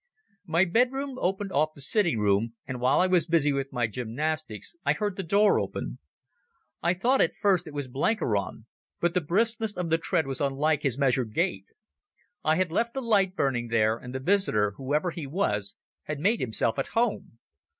My bedroom opened off the sitting room, and while I was busy with my gymnastics I heard the door open. I thought at first it was Blenkiron, but the briskness of the tread was unlike his measured gait. I had left the light burning there, and the visitor, whoever he was, had made himself at home.